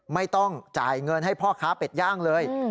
ไม่ต้องจ่ายเงินให้พ่อค้าเป็ดย่างเลย